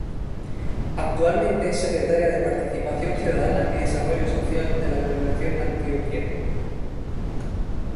Actualmente es Secretaria de Participación Ciudadana y Desarrollo Social de la Gobernación de Antioquia.